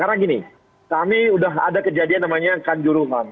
karena gini kami udah ada kejadian namanya kanjuruhan